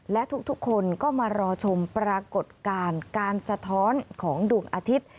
และทุกคนก็มารอชมปรากฏการณ์การสะท้อนของดวงอาทิตย์